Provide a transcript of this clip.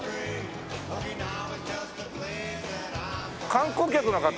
観光客の方？